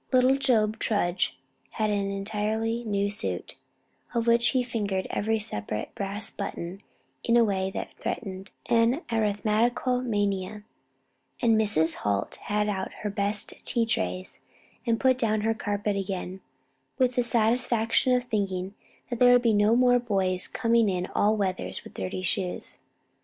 Little Job Tudge had an entirely new suit, of which he fingered every separate brass button in a way that threatened an arithmetical mania; and Mrs. Holt had out her best tea trays and put down her carpet again, with the satisfaction of thinking that there would no more be boys coming in all weathers with dirty shoes.